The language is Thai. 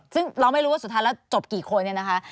ซึ่งเราไม่รู้ว่าสุดท้ายแล้วจบกี่คน